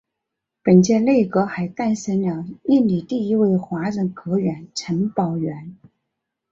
本届内阁还诞生了印尼第一位华人阁员陈宝源。